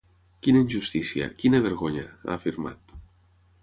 Quina injustícia, quina vergonya!, ha afirmat.